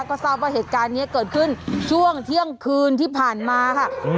ก็ทราบว่าเหตุการณ์นี้เกิดขึ้นช่วงเที่ยงคืนที่ผ่านมาค่ะ